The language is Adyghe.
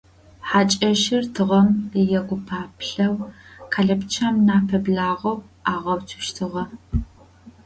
Хьакӏэщыр тыгъэм егупаплъэу къэлапчъэм нахь пэблагъэу агъэуцущтыгъэ.